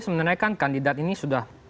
sebenarnya kan kandidat ini sudah